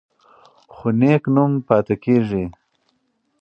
خو نېک نوم پاتې کیږي.